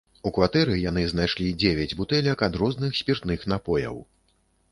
У кватэры яны знайшлі дзевяць бутэлек ад розных спіртных напояў.